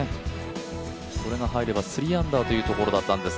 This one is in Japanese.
これが入れば３アンダーというところだったんです。